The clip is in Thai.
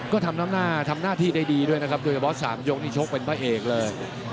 ก็ทำน้ำหน้าทำหน้าที่ได้ดีด้วยนะครับโดยเฉพาะ๓ยกนี่ชกเป็นพระเอกเลย